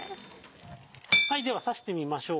では刺してみましょう。